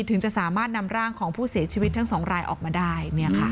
ถึงจะสามารถนำร่างของผู้เสียชีวิตทั้ง๒รายออกมาได้